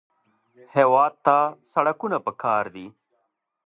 هېواد ته سړکونه پکار دي